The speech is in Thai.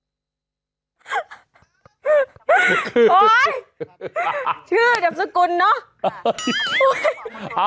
คือโอ๊ยชื่อนามสกุลเนอะ